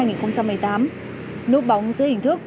nốt bóng giữa hình thức